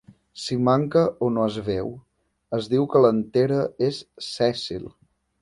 Si manca o no es veu, es diu que l'antera és sèssil.